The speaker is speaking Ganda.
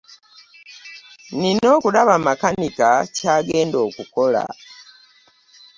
Nina okulaba makanika kyagenda okukola.